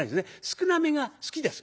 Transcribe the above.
少なめが好きです。